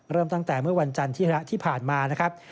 เริ่มตั้งแต่เมื่อวันจันทร์ที่ที่ผ่านมานะครับ